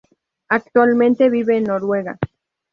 Actualmente vive en Noruega.